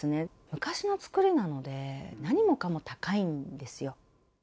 昔の作りなので、何もかも高いんですよ。